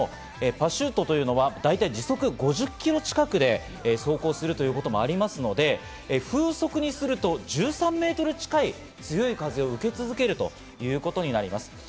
パシュートというのは大体、時速５０キロ近くで走行するということもありますので、風速にすると１３メートル近い強い風を受け続けるということになります。